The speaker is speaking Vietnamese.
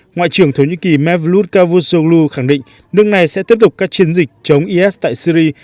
ngoại trưởng thổ nhĩ kỳ mevlut cavusoglu khẳng định nước này sẽ tiếp tục các chiến dịch chống is tại syri